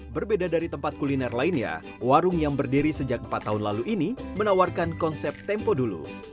berbeda dari tempat kuliner lainnya warung yang berdiri sejak empat tahun lalu ini menawarkan konsep tempo dulu